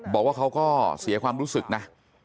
บอกว่าเขาก็เสียความรู้สึกนะ